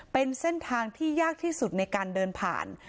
เป็นเส้นทางที่ยากที่สุดในการเดินผ่าน